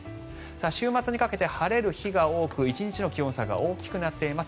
週末にかけて晴れる日が多く１日の気温差が大きくなっています。